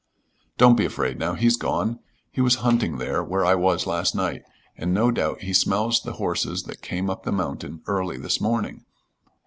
"Don't be afraid now. He's gone. He was hunting there where I was last night, and no doubt he smells the horses that came up the mountain early this morning.